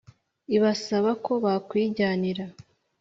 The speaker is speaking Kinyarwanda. ibasaba ko bakwijyanira